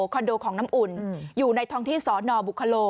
โดของน้ำอุ่นอยู่ในท้องที่สนบุคโล